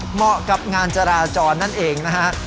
เหมาะกับงานจราจรนั่นเองนะฮะ